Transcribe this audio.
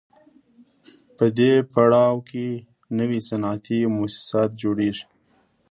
په دې پړاو کې نوي صنعتي موسسات جوړېږي